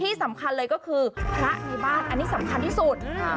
ที่สำคัญเลยก็คือพระในบ้านอันนี้สำคัญที่สุด